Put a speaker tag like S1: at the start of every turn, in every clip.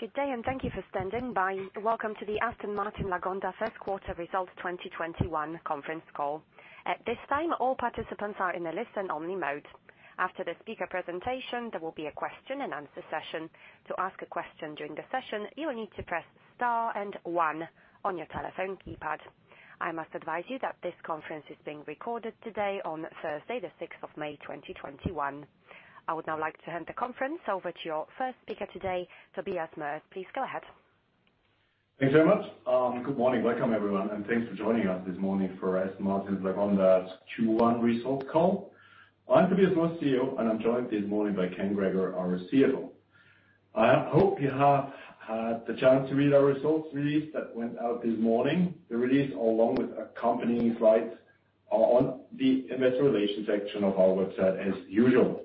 S1: Good day, and thank you for standing by. Welcome to the Aston Martin Lagonda first quarter results 2021 conference call. At this time, all participants are in a listen-only mode. After the speaker presentation, there will be a question and answer session. To ask a question during the session, you will need to press star and one on your telephone keypad. I must advise you that this conference is being recorded today on Thursday, the 6th of May 2021. I would now like to hand the conference over to your first speaker today, Tobias Moers. Please go ahead.
S2: Thanks very much. Good morning. Welcome everyone, and thanks for joining us this morning for Aston Martin Lagonda Q1 results call. I'm Tobias Moers, CEO, and I'm joined this morning by Kenneth Gregor, our CFO. I hope you have had the chance to read our results release that went out this morning. The release, along with accompanying slides, are on the Investor Relations section of our website as usual.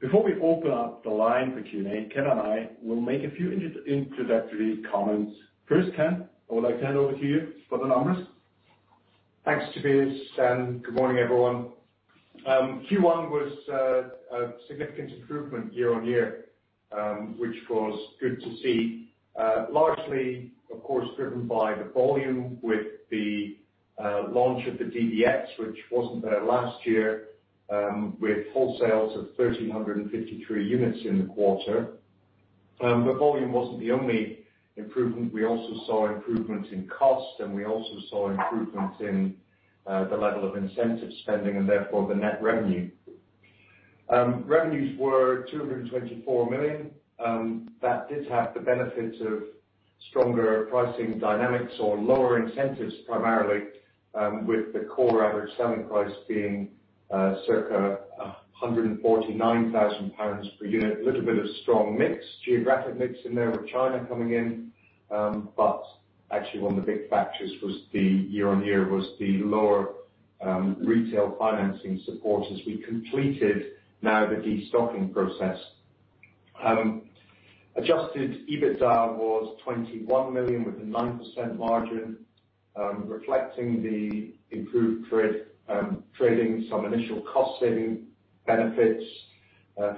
S2: Before we open up the line for Q&A, Ken and I will make a few introductory comments. First, Ken, I would like to hand over to you for the numbers.
S3: Thanks, Tobias. Ken. Good morning, everyone. Q1 was a significant improvement year-on-year, which was good to see. Largely, of course, driven by the volume with the launch of the DBX, which wasn't there last year, with wholesales of 1,353 units in the quarter. Volume wasn't the only improvement. We also saw improvement in cost, and we also saw improvement in the level of incentive spending, and therefore, the net revenue. Revenues were 224 million. That did have the benefit of stronger pricing dynamics or lower incentives, primarily, with the core average selling price being circa 149,000 pounds per unit, little bit of strong mix, geographic mix in there with China coming in. Actually, one of the big factors was the year-on-year was the lower retail financing support as we completed now the de-stocking process. Adjusted EBITDA was 21 million with a 9% margin, reflecting the improved trading, some initial cost saving benefits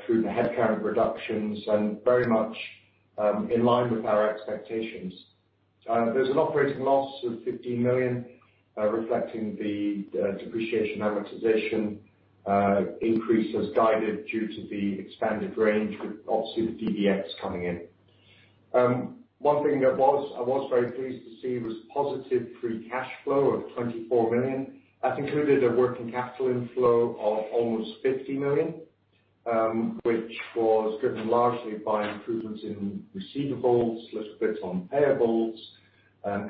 S3: through the headcount reductions, very much in line with our expectations. There's an operating loss of 15 million, reflecting the depreciation amortization increase as guided due to the expanded range with obviously the DBX coming in. One thing I was very pleased to see was positive free cash flow of 24 million. That included a working capital inflow of almost 50 million, which was driven largely by improvements in receivables, little bit on payables,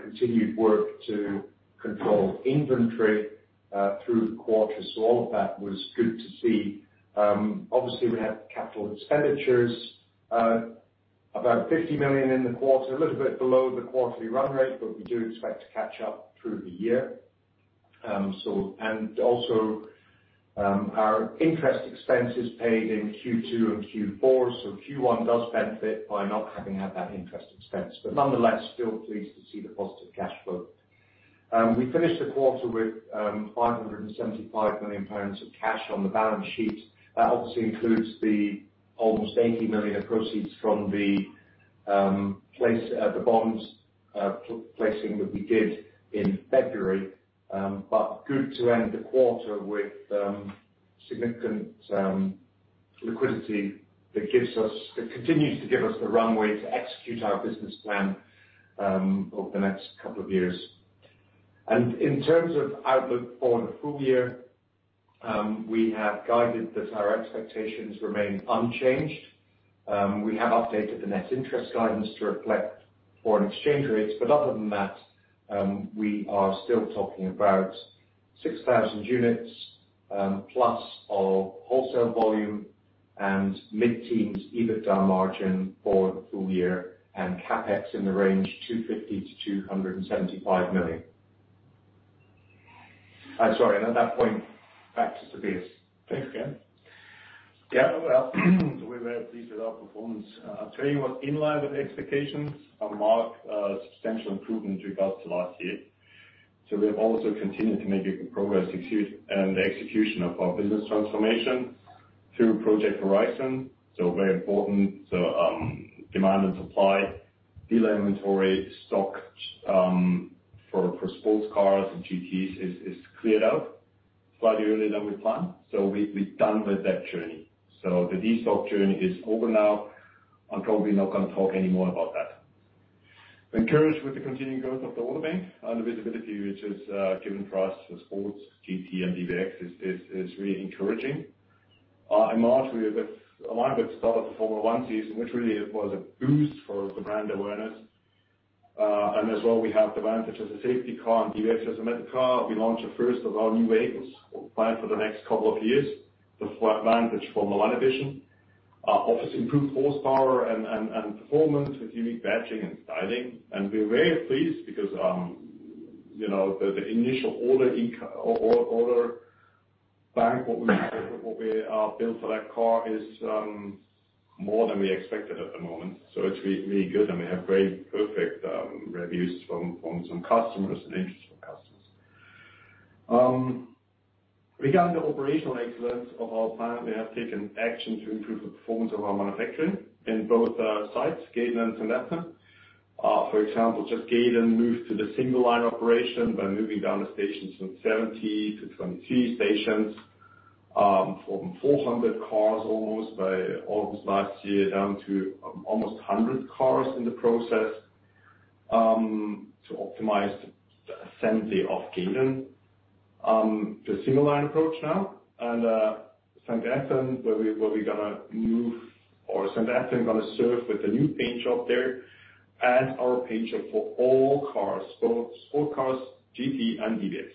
S3: continued work to control inventory through the quarter. All of that was good to see. Obviously, we have capital expenditures, about 50 million in the quarter, a little bit below the quarterly run rate, we do expect to catch up through the year. Our interest expense is paid in Q2 and Q4. Q1 does benefit by not having had that interest expense. Still pleased to see the positive cash flow. We finished the quarter with 575 million pounds of cash on the balance sheet. That obviously includes the almost 80 million of proceeds from the bonds placing that we did in February. Good to end the quarter with significant liquidity that continues to give us the runway to execute our business plan over the next couple of years. In terms of outlook for the full year, we have guided that our expectations remain unchanged. We have updated the net interest guidance to reflect foreign exchange rates. Other than that, we are still talking about 6,000 units plus of wholesale volume and mid-teens EBITDA margin for the full year and CapEx in the range 250 million-275 million. I'm sorry. At that point, back to Tobias.
S2: Thanks, Ken. Yeah, we're very pleased with our performance. I tell you what, in line with expectations and mark a substantial improvement with regards to last year. We have also continued to make progress in the execution of our business transformation through Project Horizon. Very important. Demand and supply, de-inventory stock for sports cars and GTs is cleared out slightly earlier than we planned. We're done with that journey. The de-stock journey is over now, and Toby not going to talk any more about that. We're encouraged with the continuing growth of the order bank and the visibility which has given for us the sports, GT, and DBX is really encouraging. Largely with a lot of it started with the Formula One season, which really it was a boost for the brand awareness. As well, we have the Vantage as a safety car and DBX as a medical car. We launched the first of our new vehicles we plan for the next couple of years, the Vantage F1 Edition. Obviously improved horsepower and performance with unique badging and styling. We're very pleased because the initial order bank, what we bill for that car is more than we expected at the moment. It's really good, and we have very perfect reviews from some customers and interest from customers. Regarding the operational excellence of our plant, we have taken action to improve the performance of our manufacturing in both sites, Gaydon and St. Athan. For example, just Gaydon moved to the single-line operation by moving down the stations from 70 to 22 stations, from 400 cars almost by August last year, down to almost 100 cars in the process, to optimize the assembly of Gaydon. The single-line approach now and St. Athan, where we're going to move, or St. Athan going to serve with a new paint job there and our paint job for all cars, sports cars, GT, and DBX.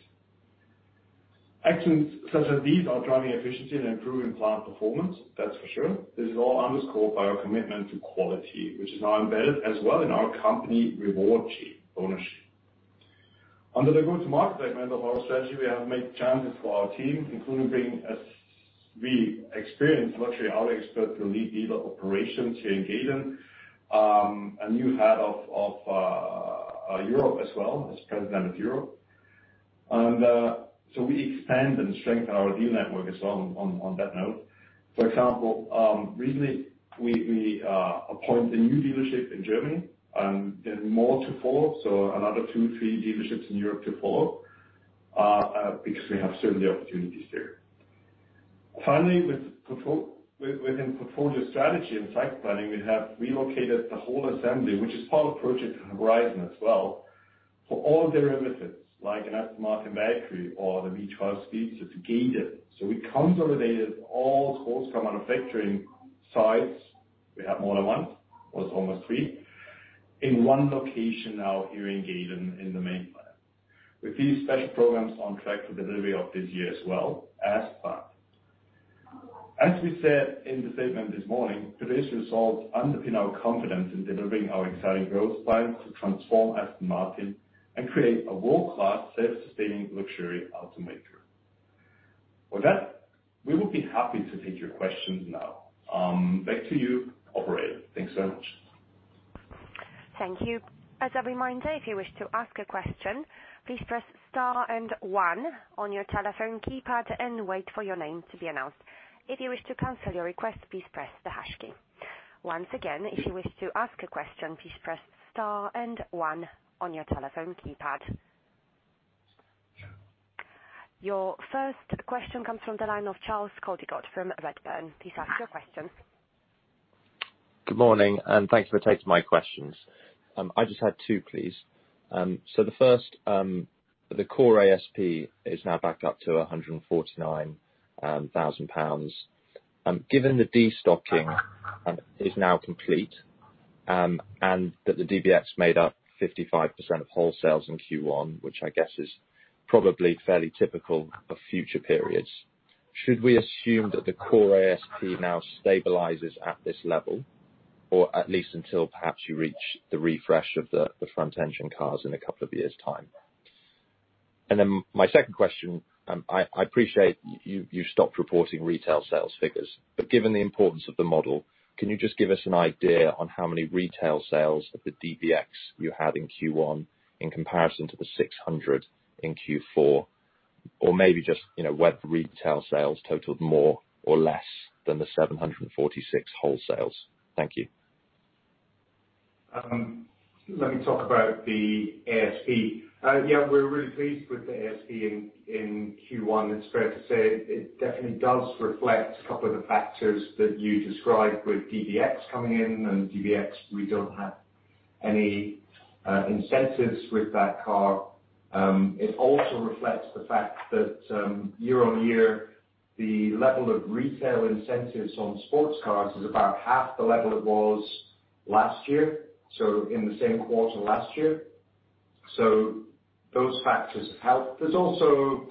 S2: Actions such as these are driving efficiency and improving plant performance, that's for sure. This is all underscored by our commitment to quality, which is now embedded as well in our company reward bonus sheet. Under the go-to-market segment of our strategy, we have made changes to our team, including bringing a really experienced luxury auto expert to lead dealer operations here in Gaydon. A new head of Europe as well, as president of Europe. we expand and strengthen our dealer network as well on that note. For example, recently we appoint a new dealership in Germany, more to follow, so another two, three dealerships in Europe to follow, because we have certainly opportunities there. Finally, within portfolio strategy and site planning, we have relocated the whole assembly, which is part of Project Horizon as well, for all derivatives, like an Aston Martin battery or the V12 Speedster to Gaydon. we consolidated all wholesale manufacturing sites. We have more than one, was almost three, in one location now here in Gaydon in the main plant. With these special programs on track for delivery of this year as well as planned. As we said in the statement this morning, today's results underpin our confidence in delivering our exciting growth plans to transform Aston Martin and create a world-class, self-sustaining luxury automaker. With that, we will be happy to take your questions now. Back to you, operator. Thanks so much.
S1: Thank you. As a reminder, if you wish to ask a question, please press star and one on your telephone keypad and wait for your name to be announced. If you wish to cancel your request, please press the hash key. Once again, if you wish to ask a question, please press star and one on your telephone keypad. Your first question comes from the line of Charles Coldicott from Redburn. Please ask your question.
S4: Good morning. Thank you for taking my questions. I just had two, please. The first, the core ASP is now back up to 149,000 pounds. Given the destocking is now complete, and that the DBX made up 55% of wholesales in Q1, which I guess is probably fairly typical of future periods. Should we assume that the core ASP now stabilizes at this level? Or at least until perhaps you reach the refresh of the front engine cars in a couple of years' time. My second question, I appreciate you stopped reporting retail sales figures. Given the importance of the model, can you just give us an idea on how many retail sales of the DBX you had in Q1 in comparison to the 600 in Q4? Or maybe just whether retail sales totaled more or less than the 746 wholesales. Thank you.
S3: Let me talk about the ASP. Yeah, we're really pleased with the ASP in Q1. It's fair to say it definitely does reflect a couple of the factors that you described with DBX coming in, and DBX, we don't have any incentives with that car. It also reflects the fact that year-on-year, the level of retail incentives on sports cars is about half the level it was last year, so in the same quarter last year. Those factors help. There's also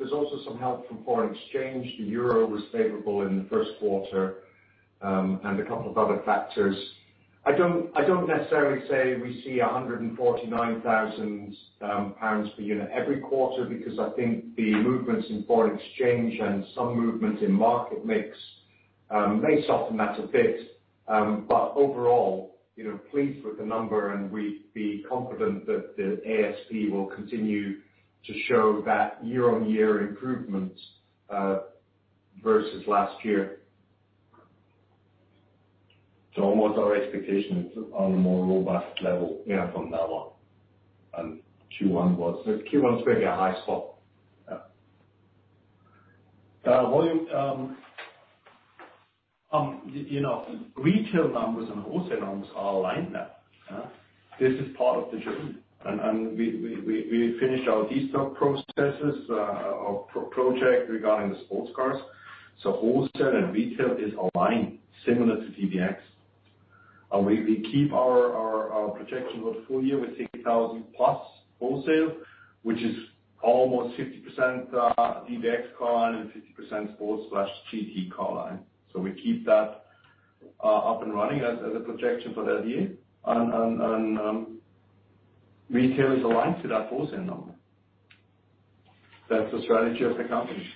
S3: some help from foreign exchange. The euro was favorable in the first quarter, and a couple of other factors. I don't necessarily say we see 149,000 pounds per unit every quarter, because I think the movements in foreign exchange and some movement in market mix may soften that a bit. Overall, pleased with the number, and we'd be confident that the ASP will continue to show that year-on-year improvement versus last year.
S2: Almost our expectation is on a more robust level.
S3: Yeah
S2: from now on. Q1 was-
S3: Q1 is really a high spot.
S2: Yeah. Volume, retail numbers and wholesale numbers are aligned now.
S3: Yeah.
S2: This is part of the journey. We finished our destock processes, our project regarding the sports cars. Wholesale and retail is aligned similar to DBX. We keep our projection for the full year with 6,000+ wholesale, which is almost 50% DBX car line and 50% sports/GT car line. We keep that up and running as a projection for that year. Retail is aligned to that wholesale number. That's the strategy of the company.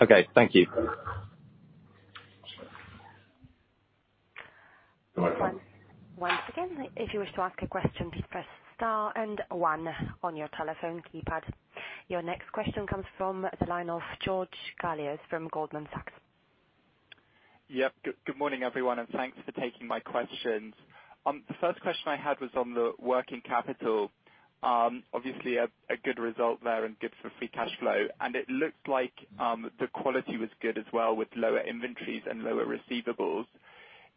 S4: Okay. Thank you.
S1: Once again, if you wish to ask a question, please press star and one on your telephone keypad. Your next question comes from the line of George Galliers from Goldman Sachs.
S5: Yep. Good morning, everyone, and thanks for taking my questions. The first question I had was on the working capital. Obviously, a good result there and good for free cash flow. It looked like the quality was good as well, with lower inventories and lower receivables.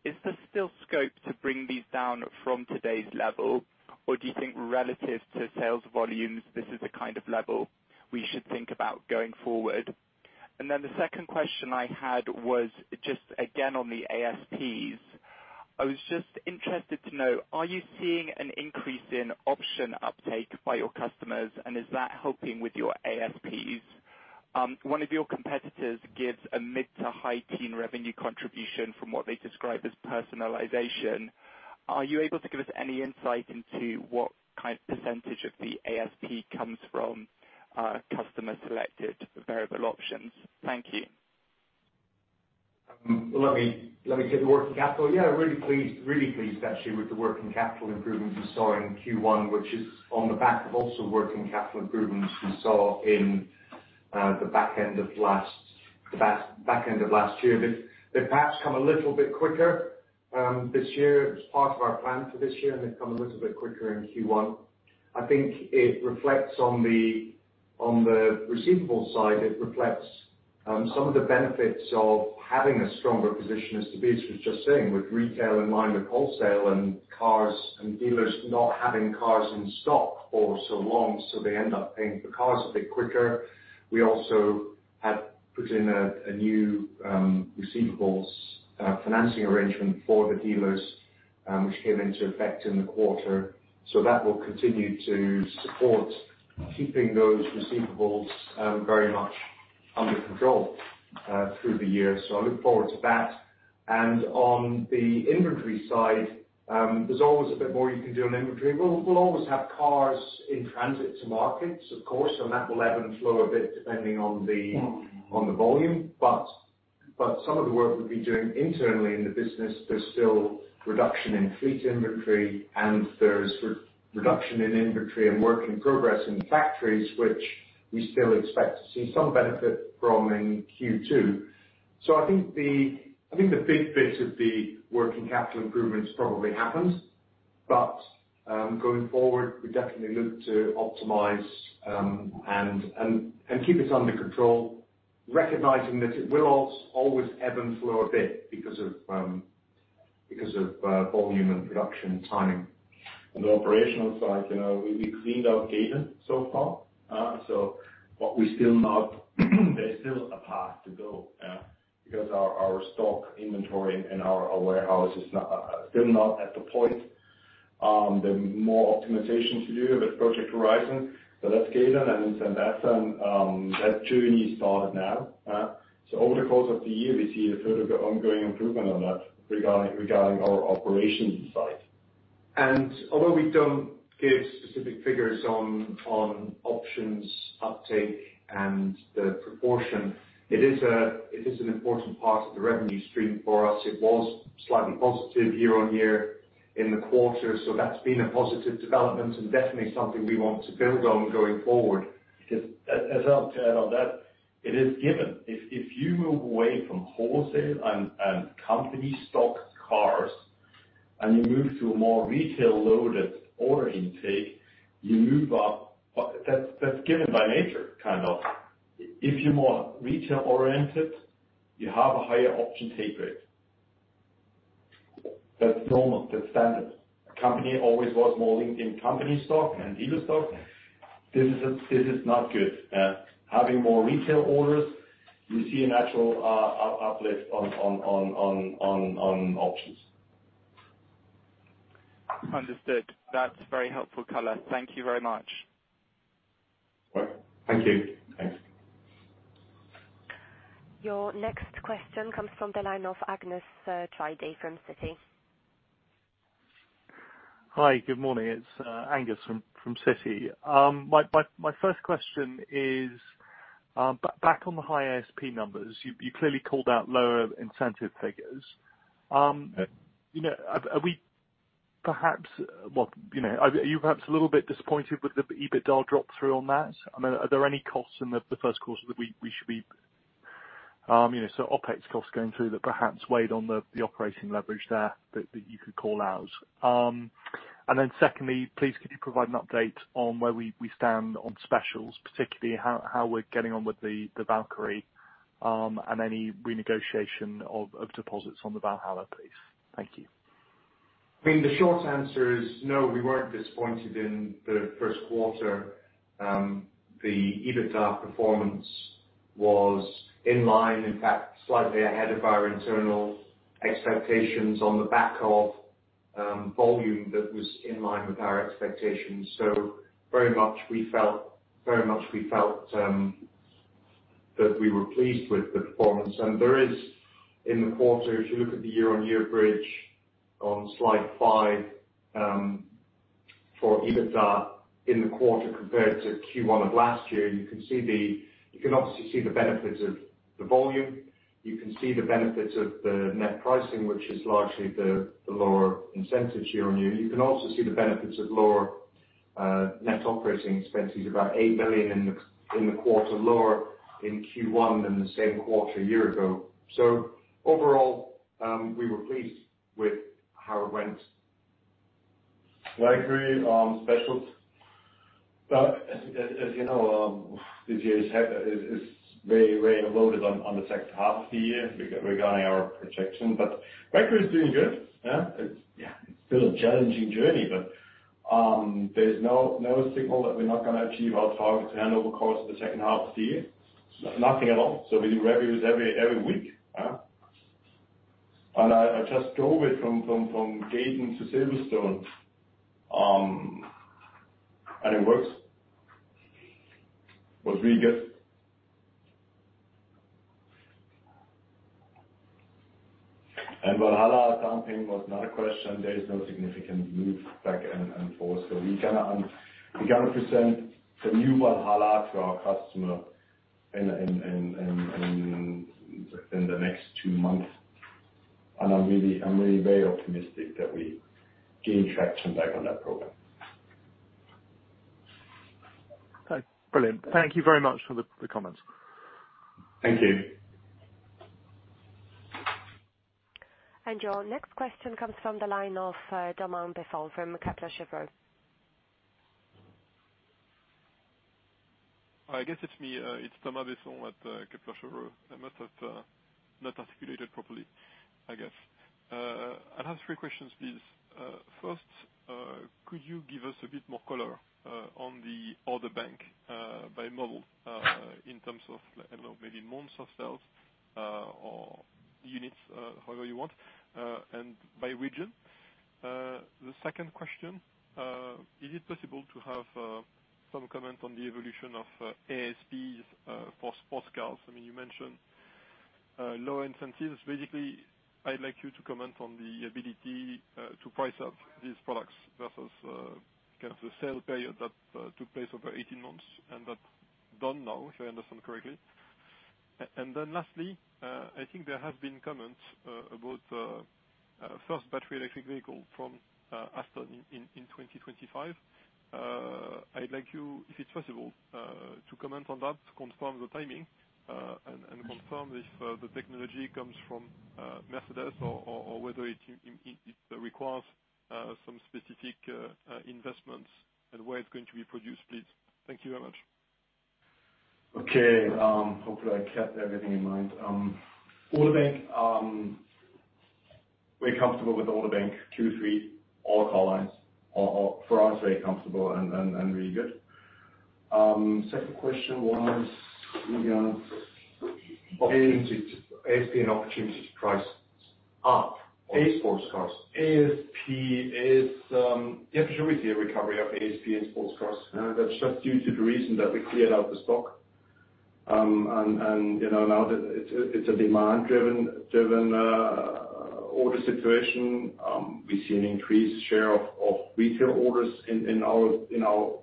S5: Is there still scope to bring these down from today's level, or do you think relative to sales volumes, this is a kind of level we should think about going forward? The second question I had was just again on the ASPs. I was just interested to know, are you seeing an increase in option uptake by your customers, and is that helping with your ASPs? One of your competitors gives a mid to high teen revenue contribution from what they describe as personalization. Are you able to give us any insight into what kind of % of the ASP comes from customer selected variable options? Thank you.
S3: Let me take the working capital. Yeah, really pleased, actually, with the working capital improvements we saw in Q1, which is on the back of also working capital improvements we saw in the back end of last year. They've perhaps come a little bit quicker this year. It was part of our plan for this year. They've come a little bit quicker in Q1. I think it reflects on the receivable side. It reflects some of the benefits of having a stronger position, as Tobias was just saying, with retail in mind with wholesale and cars and dealers not having cars in stock for so long, so they end up paying for cars a bit quicker. We also have put in a new receivables financing arrangement for the dealers, which came into effect in the quarter. That will continue to support keeping those receivables very much under control through the year. I look forward to that. On the inventory side, there's always a bit more you can do on inventory. We'll always have cars in transit to markets, of course, and that will elevate a bit depending on the volume. Some of the work we've been doing internally in the business, there's still reduction in fleet inventory, and there's reduction in inventory and work in progress in the factories, which we still expect to see some benefit from in Q2. I think the big bit of the working capital improvements probably happened. Going forward, we definitely look to optimize and keep it under control, recognizing that it will always ebb and flow a bit because of volume and production timing.
S2: On the operational side, we cleaned out Gaydon so far. There's still a path to go because our stock inventory in our warehouse is still not at the point. There are more optimizations to do with Project Horizon. That's Gaydon and then St. Athan. That journey started now. Over the course of the year, we see a further ongoing improvement on that regarding our operations side.
S3: Although we don't give specific figures on options uptake and the proportion, it is an important part of the revenue stream for us. It was slightly positive year-on-year in the quarter. That's been a positive development and definitely something we want to build on going forward.
S2: As I said on that, it is given. If you move away from wholesale and company stock cars and you move to a more retail-loaded order intake, you move up. That's given by nature, kind of. If you're more retail oriented, you have a higher option take rate. That's normal. That's standard. A company always was more linked in company stock than dealer stock. This is not good. Having more retail orders, you see a natural uplift on options.
S5: Understood. That's very helpful color. Thank you very much.
S2: Right. Thank you.
S3: Thanks.
S1: Your next question comes from the line of Angus Tweedie from Citi.
S6: Hi. Good morning. It's Angus from Citi. My first question is back on the high ASP numbers. You clearly called out lower incentive figures. Are you perhaps a little bit disappointed with the EBITDA drop through on that? I mean, are there any costs in the first quarter, so OpEx costs going through that perhaps weighed on the operating leverage there that you could call out? Secondly, please could you provide an update on where we stand on specials, particularly how we're getting on with the Valkyrie, and any renegotiation of deposits on the Valhalla, please? Thank you.
S3: I mean, the short answer is no, we weren't disappointed in the first quarter. The EBITDA performance was in line, in fact, slightly ahead of our internal expectations on the back of volume that was in line with our expectations. Very much we felt that we were pleased with the performance. There is in the quarter, if you look at the year-on-year bridge on slide five, for EBITDA in the quarter compared to Q1 of last year, you can obviously see the benefits of the volume. You can see the benefits of the net pricing, which is largely the lower incentives year-on-year. You can also see the benefits of lower net operating expenses, about 8 million in the quarter, lower in Q1 than the same quarter a year ago. Overall, we were pleased with how it went.
S2: Well, I agree on specials. As you know, this year is very well loaded on the second half of the year regarding our projection. Records are doing good. Yeah, it's still a challenging journey, but there's no signal that we're not going to achieve our targets and over the course of the second half of the year, nothing at all. We do reviews every week. I just drove it from Gaydon to Silverstone, and it works. Was really good. Valhalla, damping was not a question. There is no significant move back and forth. We're going to present the new Valhalla to our customer in the next two months. I'm really very optimistic that we gain traction back on that program.
S6: Brilliant. Thank you very much for the comments.
S2: Thank you.
S1: Your next question comes from the line of Thomas Besson from Kepler Cheuvreux.
S7: I guess it's me, it's Thomas Besson with Kepler Cheuvreux. I must have not articulated properly, I guess. I have three questions, please. First, could you give us a bit more color on the order bank by model, in terms of maybe months of sales or units, however you want, and by region. The second question, is it possible to have some comment on the evolution of ASPs for sports cars? You mentioned lower incentives. Basically, I'd like you to comment on the ability to price up these products versus the sale period that took place over 18 months, and that's done now, if I understand correctly. Lastly, I think there have been comments about first battery electric vehicle from Aston in 2025. I'd like you, if it's possible, to comment on that, to confirm the timing, and confirm if the technology comes from Mercedes or whether it requires some specific investments and where it's going to be produced, please. Thank you very much.
S2: Okay. Hopefully, I kept everything in mind. Order bank, we're comfortable with order bank two, three, all car lines. For us, very comfortable and really good. Second question was?
S3: ASP and opportunity to price up sports cars.
S2: ASP is, definitely we see a recovery of ASP in sports cars. That's just due to the reason that we cleared out the stock. Now that it's a demand-driven order situation, we see an increased share of retail orders in our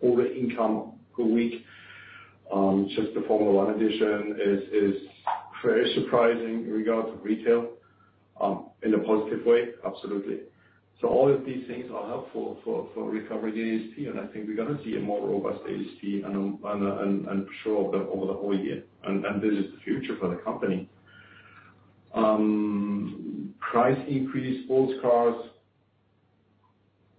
S2: order income per week. Just the Formula One Edition is very surprising in regards of retail, in a positive way, absolutely. All of these things are helpful for recovering ASP, and I think we're going to see a more robust ASP and I'm sure over the whole year, and this is the future for the company. Price increase sports cars.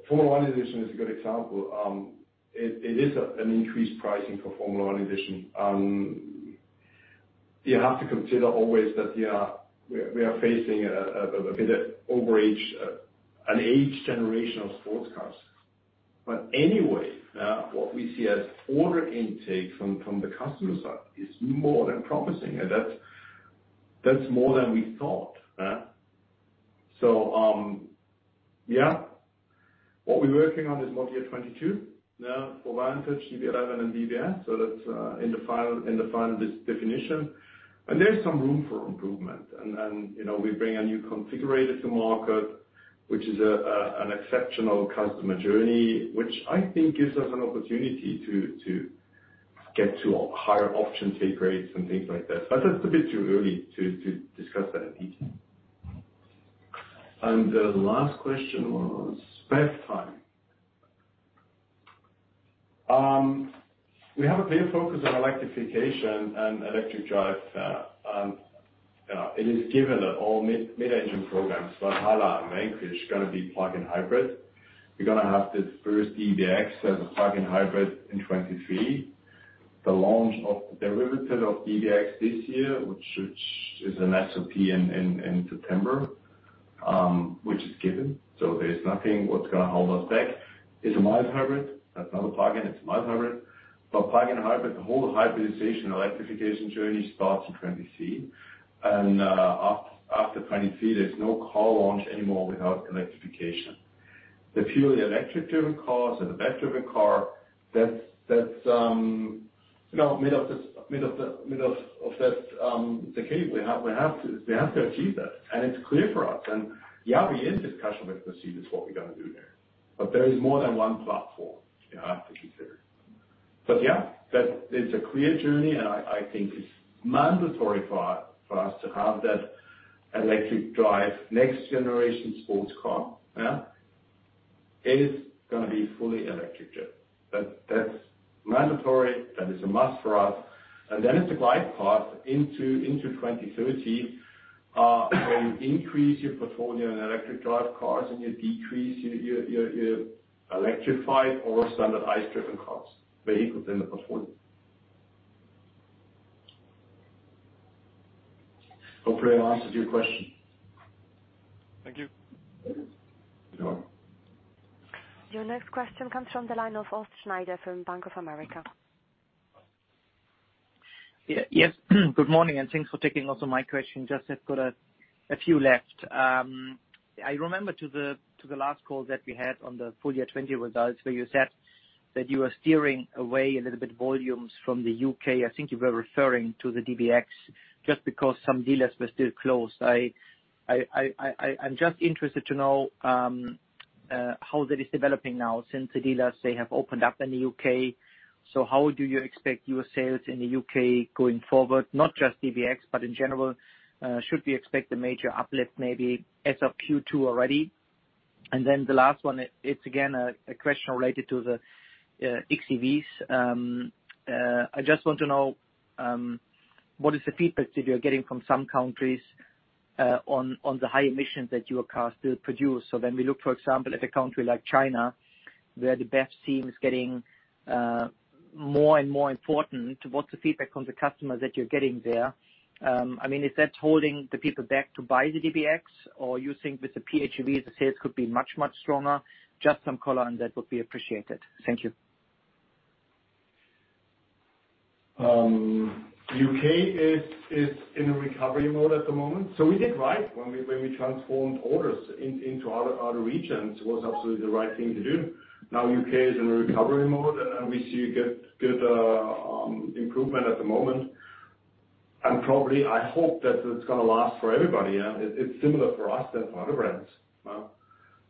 S2: Formula One Edition is a good example. It is an increased pricing for Formula One Edition. You have to consider always that we are facing a bit of an aged generation of sports cars. Anyway, what we see as order intake from the customer side is more than promising, and that's more than we thought. Yeah. What we're working on is model year 2022 for Vantage, DB11, and DBX, so that's in the final definition. There is some room for improvement. We bring a new configurator to market, which is an exceptional customer journey, which I think gives us an opportunity to get to higher option take rates and things like that. That's a bit too early to discuss that in detail. The last question was? Space-time. We have a clear focus on electrification and electric drive. It is given that all mid-engine programs, Valhalla and Vantage, going to be plug-in hybrid. We're going to have the first DBX as a plug-in hybrid in 2023. The launch of derivative of DBX this year, which is an SOP in September, which is given. There's nothing what's going to hold us back. It's a mild hybrid. That's not a plug-in, it's a mild hybrid. Plug-in hybrid, the whole hybridization, electrification journey starts in 2023. After 2023, there's no car launch anymore without electrification. The purely electric-driven cars or the best-driven car, that's. Now, middle of that decade, we have to achieve that. It's clear for us, and yeah, we is discussion with procedures what we're going to do there. There is more than one platform you have to consider. Yeah, that is a clear journey, and I think it's mandatory for us to have that electric drive, next generation sports car. Yeah. It is going to be fully electric driven. That's mandatory, that is a must for us. It's a glide path into 2030, when you increase your portfolio in electric drive cars and you decrease your electrified or standard ICE-driven cars, vehicles in the portfolio. Hopefully I answered your question.
S7: Thank you.
S2: You're welcome.
S1: Your next question comes from the line of Horst Schneider from Bank of America.
S8: Yes. Good morning, thanks for taking also my question. Just have got a few left. I remember to the last call that we had on the full year 2020 results where you said that you were steering away a little bit volumes from the U.K.. I think you were referring to the DBX just because some dealers were still closed. I'm just interested to know how that is developing now since the dealers, they have opened up in the U.K..How do you expect your sales in the U.K. going forward? Not just DBX, but in general, should we expect a major uplift, maybe as of Q2 already? The last one is, again, a question related to the xEVs. I just want to know, what is the feedback that you're getting from some countries, on the high emissions that your cars still produce? When we look, for example, at a country like China, where the BEV seems getting more and more important, what's the feedback from the customers that you're getting there? Is that holding the people back to buy the DBX? You think with the PHEV, the sales could be much, much stronger? Just some color on that would be appreciated. Thank you.
S2: U.K. is in a recovery mode at the moment. We did right when we transformed orders into other regions, was absolutely the right thing to do. Now U.K. is in a recovery mode, and we see a good improvement at the moment. Probably, I hope that it's going to last for everybody. It's similar for us than for other brands.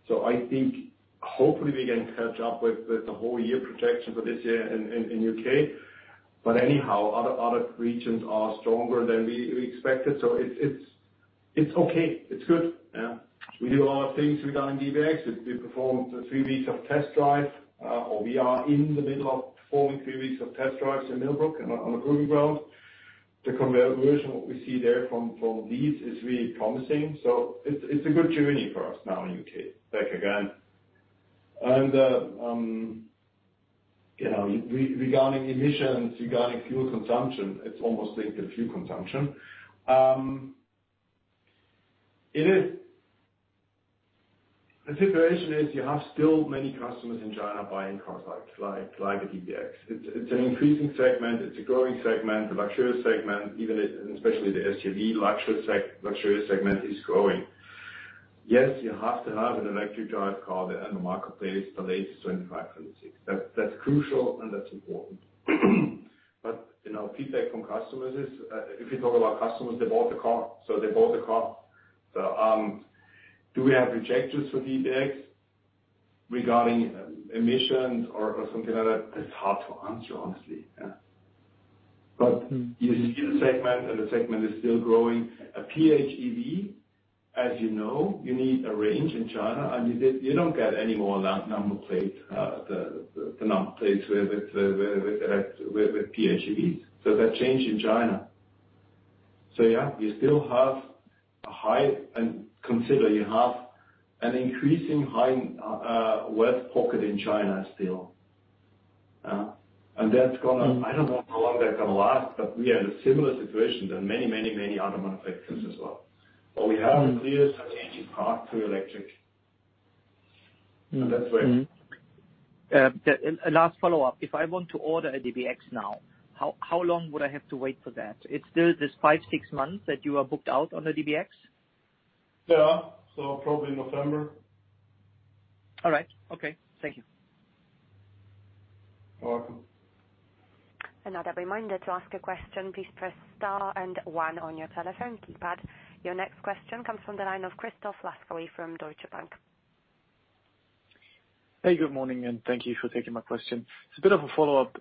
S2: I think hopefully we can catch up with the whole year projection for this year in U.K.. Anyhow, other regions are stronger than we expected. It's okay. It's good. Yeah. We do a lot of things regarding DBX. We performed three weeks of test drive, or we are in the middle of performing three weeks of test drives in Millbrook on a proving ground. The conversion, what we see there from leads is really promising. It's a good journey for us now in U.K., back again. Regarding emissions, regarding fuel consumption, it's almost like the fuel consumption. The situation is you have still many customers in China buying cars like the DBX. It's an increasing segment. It's a growing segment, the luxurious segment, even especially the SUV luxurious segment is growing. Yes, you have to have an electric drive car on the marketplace, the latest 2025, 2026. That's crucial and that's important. Feedback from customers is, if you talk about customers, they bought the car. Do we have rejections for DBX regarding emissions or something like that? It's hard to answer, honestly. Yeah. You see the segment, and the segment is still growing. A PHEV, as you know, you need a range in China, and you don't get any more number plate, the number plates with PHEVs. That changed in China. Yeah, you still have a high, and consider you have an increasing high wealth pocket in China still. That's going to, I don't know how long they're going to last, but we are in a similar situation than many other manufacturers as well, where we have a clear strategy path to electric. That's where-
S8: Mm-hmm. Last follow-up. If I want to order a DBX now, how long would I have to wait for that? It's still this five, six months that you are booked out on the DBX?
S2: Yeah. Probably November.
S8: All right. Okay. Thank you.
S2: You're welcome.
S1: Another reminder, to ask a question, please press star and one on your telephone keypad. Your next question comes from the line of Christoph Laskawi from Deutsche Bank.
S9: Hey, good morning, and thank you for taking my question. It's a bit of a follow-up,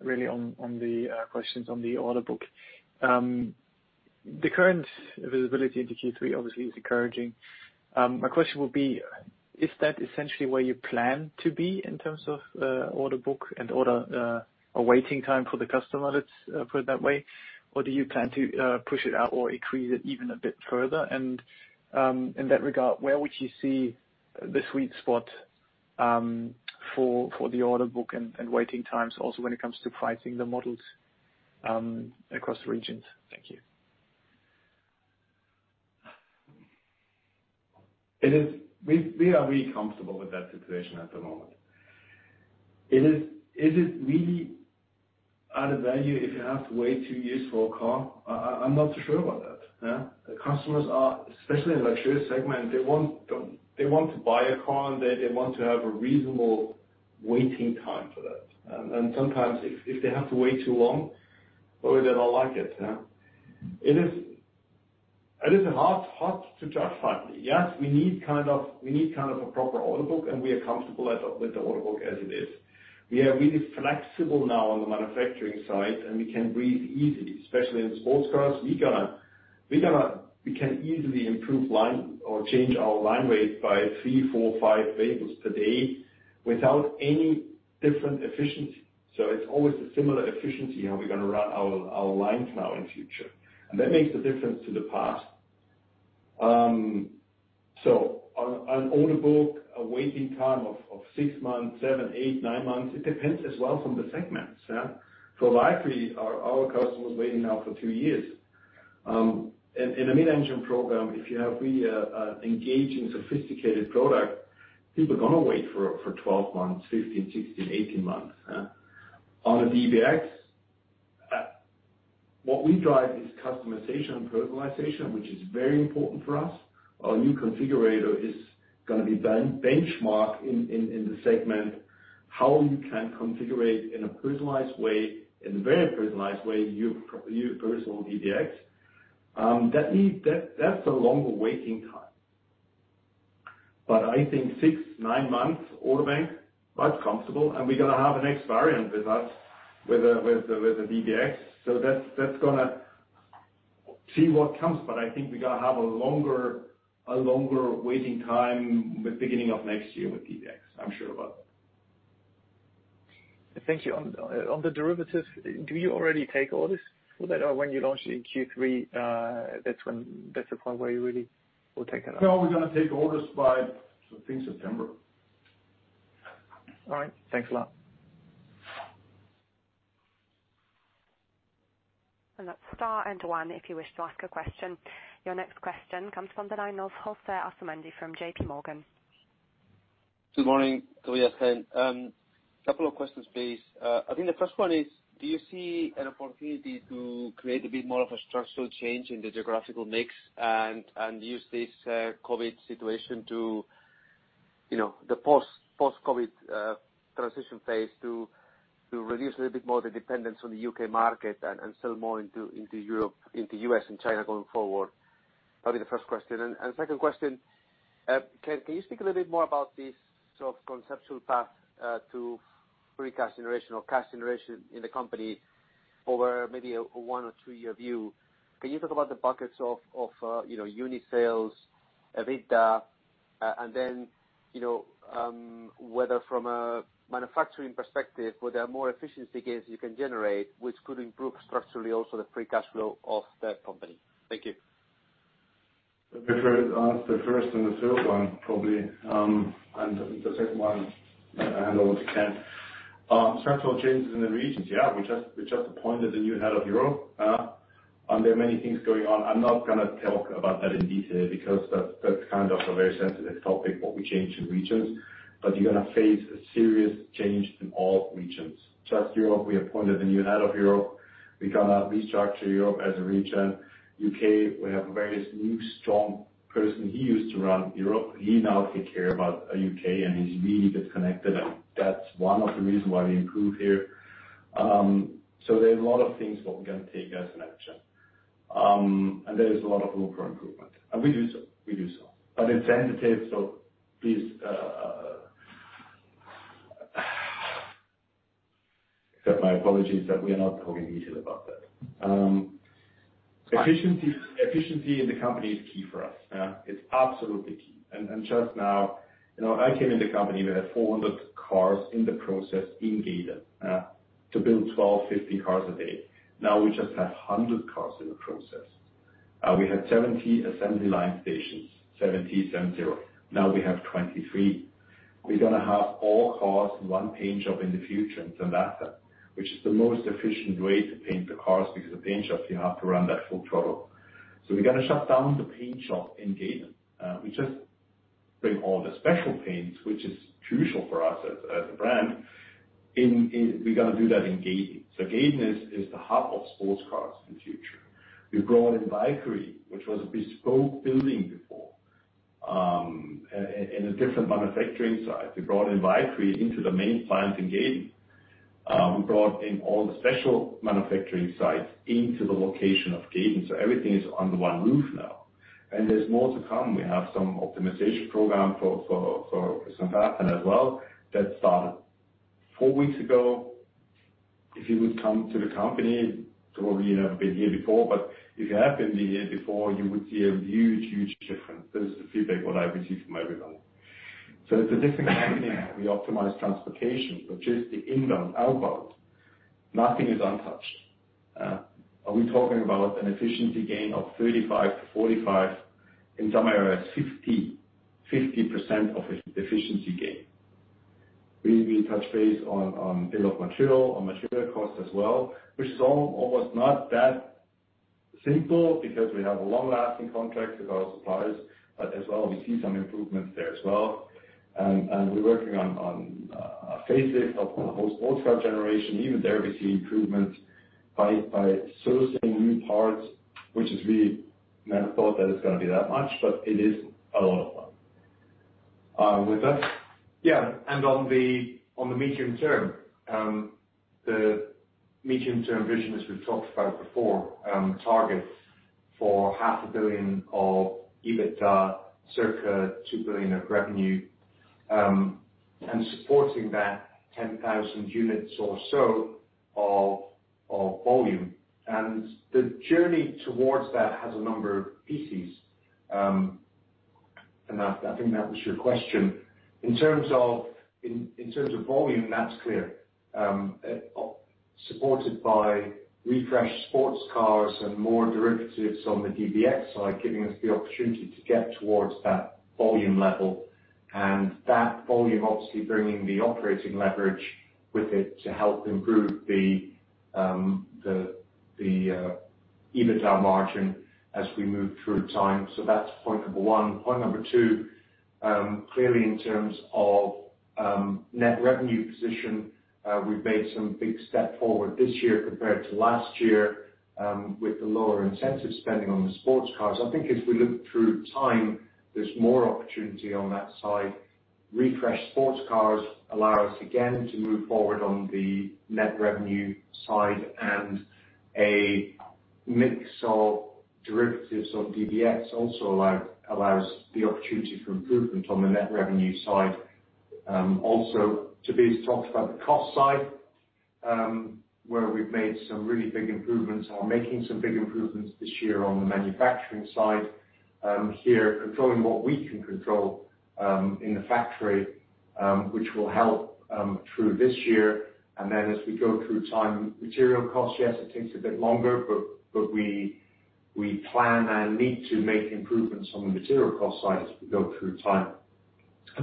S9: really on the questions on the order book. The current visibility into Q3 obviously is encouraging. My question would be, is that essentially where you plan to be in terms of order book and order waiting time for the customer, let's put it that way? Or do you plan to push it out or increase it even a bit further? In that regard, where would you see the sweet spot for the order book and waiting times also when it comes to pricing the models across regions? Thank you.
S2: We are really comfortable with that situation at the moment. Is it really added value if you have to wait two years for a car? I'm not so sure about that. The customers are, especially in the luxurious segment, they want to buy a car, and they want to have a reasonable waiting time for that. Sometimes if they have to wait too long, probably they don't like it. It is hard to judge finally. We need a proper order book, and we are comfortable with the order book as it is. We are really flexible now on the manufacturing side, and we can breathe easily, especially in sports cars. We can easily improve line or change our line rate by three, four, five vehicles per day without any different efficiency. It's always a similar efficiency how we're going to run our lines now in future. That makes a difference to the past. On order book, a waiting time of six months, seven, eight, nine months, it depends as well from the segments. For Valkyrie, our customer was waiting now for two years. In a mid-engine program, if you have really engaging, sophisticated product, people are going to wait for 12 months, 15, 16, 18 months. On a DBX, what we drive is customization, personalization, which is very important for us. Our new configurator is going to be benchmarked in the segment, how you can configure it in a personalized way, in a very personalized way, your personal DBX. That's a longer waiting time. I think six, nine months order bank, that's comfortable, and we're going to have the next variant with us with the DBX. Let's see what comes, but I think we're going to have a longer waiting time with beginning of next year with DBX, I'm sure about that.
S9: Thank you. On the derivatives, do you already take orders for that? Or when you launch in Q3, that's the point where you really will take it up?
S2: No, we're going to take orders by, I think, September.
S9: All right. Thanks a lot.
S1: That's star and one if you wish to ask a question. Your next question comes from the line of Jose Asumendi from J.P. Morgan.
S10: Good morning, Tobias. A couple of questions, please. I think the first one is, do you see an opportunity to create a bit more of a structural change in the geographical mix and use this COVID situation to the post-COVID transition phase to reduce a little bit more the dependence on the U.K. market and sell more into Europe, into U.S. and China going forward? That'd be the first question. Second question, can you speak a little bit more about this sort of conceptual path to free cash generation or cash generation in the company over maybe a one- or two-year view? Can you talk about the buckets of unit sales, EBITDA, and then, whether from a manufacturing perspective, were there more efficiency gains you can generate, which could improve structurally also the free cash flow of that company? Thank you.
S2: Let me answer the first and the third one, probably. The second one, I hand over to Ken. Structural changes in the regions, yeah, we just appointed a new head of Europe. There are many things going on. I'm not going to talk about that in detail because that's kind of a very sensitive topic, what we change in regions, but you're going to face a serious change in all regions. Just Europe, we appointed a new head of Europe. We got to restructure Europe as a region. U.K., we have a very new, strong person. He used to run Europe. He now take care about U.K., and he's really disconnected, and that's one of the reason why we improve here. There's a lot of things what we're going to take as an action. There is a lot of room for improvement. We do so. It's sensitive, so please accept my apologies that we are not talking in detail about that. Efficiency in the company is key for us. It's absolutely key. Just now, I came in the company, we had 400 cars in the process in Gaydon to build 12, 15 cars a day. Now we just have 100 cars in the process. We had 70 assembly line stations, 70, seven, zero. Now we have 23. We're going to have all cars in one paint shop in the future in St. Athan, which is the most efficient way to paint the cars because the paint shops, you have to run that full throttle. We're going to shut down the paint shop in Gaydon. We just bring all the special paints, which is crucial for us as a brand, we're going to do that in Gaydon. Gaydon is the hub of sports cars in the future. We've grown in Valkyrie, which was a bespoke building before, in a different manufacturing site. We brought in Valkyrie into the main plant in Gaydon. We brought in all the special manufacturing sites into the location of Gaydon. Everything is under one roof now. There's more to come. We have some optimization program for St. Athan as well that started four weeks ago. If you would come to the company, probably you have been here before, but if you have been here before, you would see a huge difference. This is the feedback what I receive from everybody. It's a have company now. We optimize transportation, logistics, inbound, outbound. Nothing is untouched. Are we talking about an efficiency gain of 35%-45%, in some areas 50% of efficiency gain? We touch base on bill of material, on material costs as well, which is almost not that simple because we have long-lasting contracts with our suppliers. As well, we see some improvements there as well. We're working on a facelift of the whole sports car generation. Even there we see improvements by sourcing new parts, which is really, never thought that it's going to be that much, but it is a lot of them.
S3: With us? Yeah. On the medium term, the medium-term vision as we've talked about before, targets for 500 million of EBITDA, circa 2 billion of revenue, and supporting that 10,000 units or so of volume. The journey towards that has a number of pieces. I think that was your question. In terms of volume, that's clear. Supported by refreshed sports cars and more derivatives on the DBX side, giving us the opportunity to get towards that volume level, and that volume obviously bringing the operating leverage with it to help improve the EBITDA margin as we move through time. That's point number one. Point two, clearly in terms of net revenue position, we've made some big step forward this year compared to last year, with the lower incentive spending on the sports cars. I think as we look through time, there's more opportunity on that side. Refreshed sports cars allow us again to move forward on the net revenue side, and a mix of derivatives on DBX also allows the opportunity for improvement on the net revenue side. Tobias talked about the cost side, where we've made some really big improvements or are making some big improvements this year on the manufacturing side. Here, controlling what we can control in the factory, which will help through this year. Then as we go through time, material costs, yes, it takes a bit longer, but we plan and need to make improvements on the material cost side as we go through time.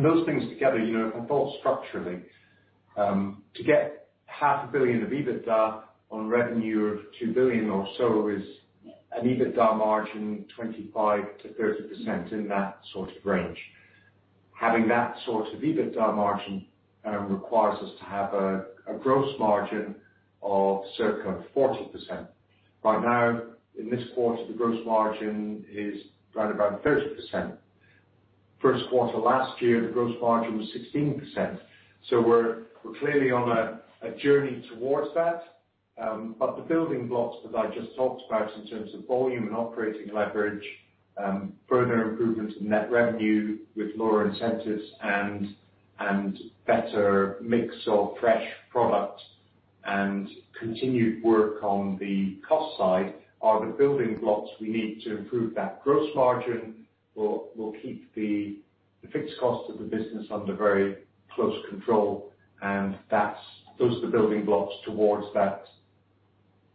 S3: Those things together, if I thought structurally, to get 500 million of EBITDA on revenue of 2 billion or so is an EBITDA margin 25%-30%, in that sort of range. Having that sort of EBITDA margin requires us to have a gross margin of circa 40%. Right now, in this quarter, the gross margin is right about 30%. First quarter last year, the gross margin was 16%. We're clearly on a journey towards that. The building blocks that I just talked about in terms of volume and operating leverage, further improvements in net revenue with lower incentives and better mix of fresh product and continued work on the cost side, are the building blocks we need to improve that gross margin. We'll keep the fixed cost of the business under very close control, and those are the building blocks towards that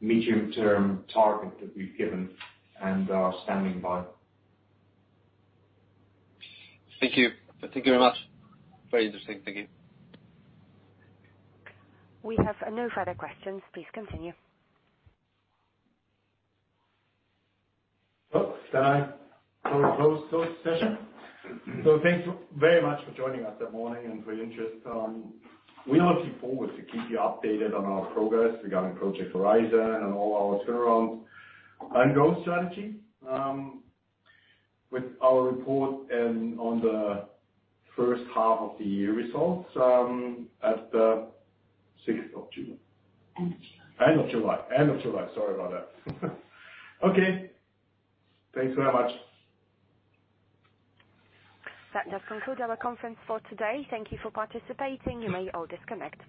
S3: medium-term target that we've given and are standing by.
S10: Thank you. Thank you very much. Very interesting. Thank you.
S1: We have no further questions. Please continue.
S2: I will close this session. Thanks very much for joining us this morning and for your interest. We look forward to keep you updated on our progress regarding Project Horizon and all our turnaround and growth strategy with our report on the first half of the year results at the 6th of July. End of July. End of July. Sorry about that. Okay. Thanks very much.
S1: That does conclude our conference for today. Thank you for participating. You may all disconnect.